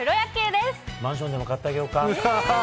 マンションでも買ってあげよえー！